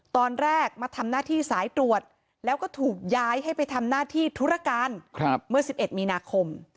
ตอนแรกมาทำหน้าที่สายตรวจแล้วก็ถูกย้ายให้ไปทำหน้าที่ธุรการเมื่อ๑๑มีนาคม